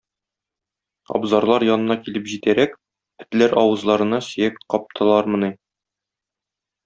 Абзарлар янына килеп җитәрәк, этләр авызларына сөяк каптылармыни?!